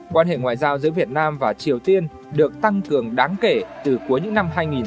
quan hệ ngoại giao giữa việt nam và triều tiên được tăng cường đáng kể từ cuối những năm hai nghìn một mươi